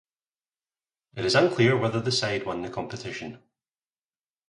It is unclear whether the side won the competition.